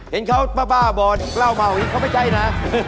เห็นเขาป้าบ้าบอดเกล้าเบาอย่างนี้เขาไม่ใช่นะ